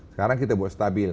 sekarang kita buat stabil